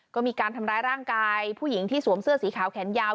ก็มีการทำร้ายร่างกายผู้หญิงที่สวมเสื้อสีขาวแขนยาว